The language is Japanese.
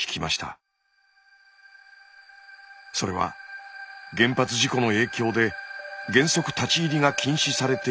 それは原発事故の影響で原則立ち入りが禁止されていた区域。